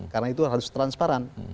karena itu harus transparan